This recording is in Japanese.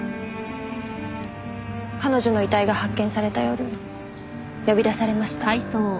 彼女の遺体が発見された夜呼び出されました。